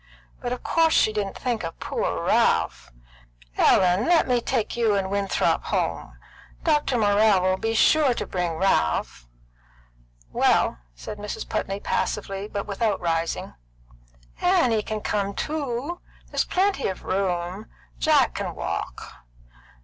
But of course she didn't think of poor Ralph. Ellen, let me take you and Winthrop home! Dr. Morrell will be sure to bring Ralph." "Well," said Mrs. Putney passively, but without rising. "Annie can come too. There's plenty of room. Jack can walk."